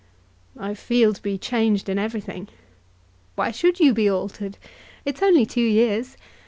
"I feel to be changed in everything." "Why should you be altered? It's only two years.